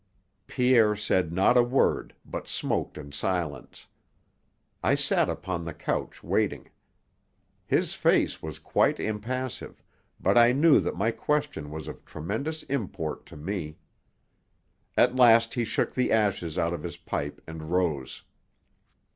Pierre said not a word, but smoked in silence. I sat upon the couch waiting. His face was quite impassive, but I knew that my question was of tremendous import to me. At last he shook the ashes out of his pipe and rose.